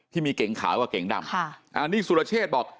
ที่มีเก่งขาวกว่าเก่งดำอันนี้สุรเชษฐบอก